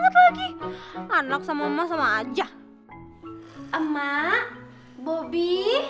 lagi anak sama sama aja emak bobby